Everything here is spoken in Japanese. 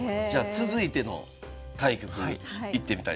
続いての対局いってみたいと思います。